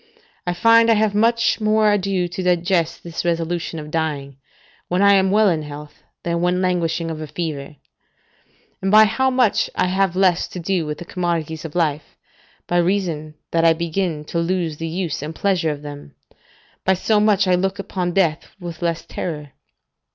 I find I have much more ado to digest this resolution of dying, when I am well in health, than when languishing of a fever; and by how much I have less to do with the commodities of life, by reason that I begin to lose the use and pleasure of them, by so much I look upon death with less terror.